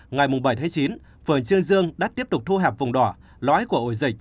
ngày bảy chín phường trương dương đã tiếp tục thu hẹp vùng đỏ lõi của ổ dịch